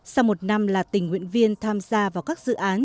sau một năm là tình nguyện viên tham gia vào các dự án